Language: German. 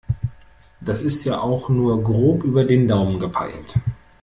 Das ist ja auch nur grob über den Daumen gepeilt.